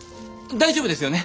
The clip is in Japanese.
大丈夫ですよね？